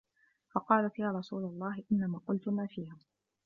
فَقَالَتْ يَا رَسُولَ اللَّهِ إنَّمَا قُلْت مَا فِيهَا